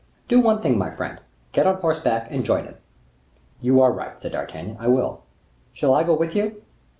"Do one thing, my friend. Get on horseback, and join him." "You are right," said D'Artagnan, "I will." "Shall I go with you?"